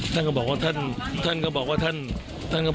ท่านก็บอกว่าท่านไม่ได้นั่งตรงนี้ท่านนั่งห้องเล็กอีกห้องนึงนะครับ